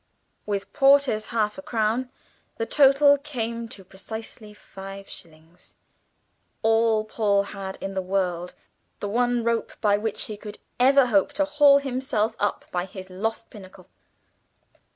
With Porter's half crown, the total came to precisely five shillings all Paul had in the world, the one rope by which he could ever hope to haul himself up to his lost pinnacle!